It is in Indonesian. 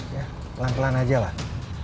ya pelan pelan aja lah